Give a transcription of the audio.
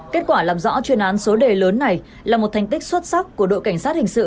kết quả làm rõ chuyên án số đề lớn này là một thành tích xuất sắc của đội cảnh sát hình sự